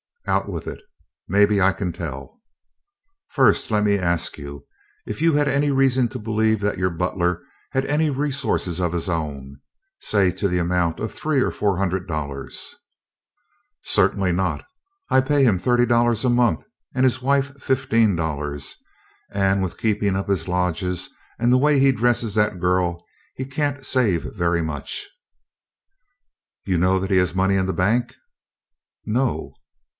"Out with it; maybe I can tell." "First, let me ask if you had any reason to believe that your butler had any resources of his own, say to the amount of three or four hundred dollars?" "Certainly not. I pay him thirty dollars a month, and his wife fifteen dollars, and with keeping up his lodges and the way he dresses that girl, he can't save very much." "You know that he has money in the bank?" "No."